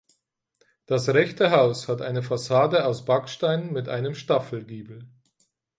Das rechte Haus hat eine Fassade aus Backstein mit einem Staffelgiebel.